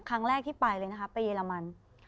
ครั้งแรกที่ไปเลยนะคะไปเยอรมัน